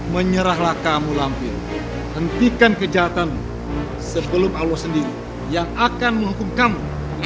menyerahlah kamu lampir hentikan kejahatan sebelum allah sendiri yang akan menghukum kamu